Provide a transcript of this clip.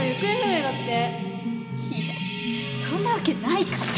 いやそんなわけないから。